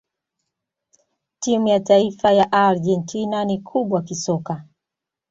timu ya taifa la argentina ni kubwa kisoka